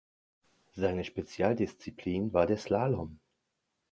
Seine Spezialdisziplin war der Slalom.